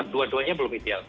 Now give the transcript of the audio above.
dua duanya belum ideal